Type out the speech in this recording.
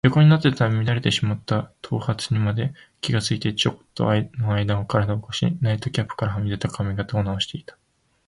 横になっていたために乱れてしまった頭髪にまで気がついて、ちょっとのあいだ身体を起こし、ナイトキャップからはみ出た髪形をなおしていた。